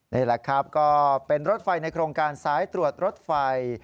นี่แหละครับก็เป็นรถไฟในโครงการสายตรวจรถไฟ